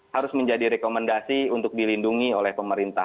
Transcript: harus menjadi rekomendasi untuk dilindungi oleh pemerintah